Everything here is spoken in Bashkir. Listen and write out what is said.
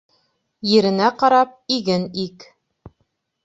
Еренә ҡарап иген ик.